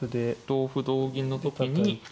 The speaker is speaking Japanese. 同歩同銀の時に。